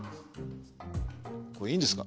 これいいんですか？